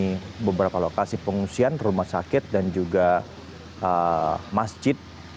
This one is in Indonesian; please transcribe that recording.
sementaranya akan mengunjungi beberapa lokasi pengungsian rumah sakit dan juga masjid